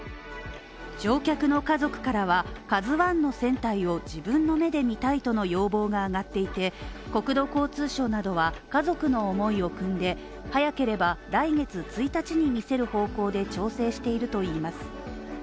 乗客の家族からは、「ＫＡＺＵ１」の船体を自分の目で見たいとの要望が上がっていて、国土交通省などは家族の思いをくんで、早ければ来月１日に見せる方向で調整しているといいます。